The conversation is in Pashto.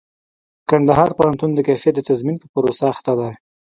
کندهار پوهنتون د کيفيت د تضمين په پروسه اخته دئ.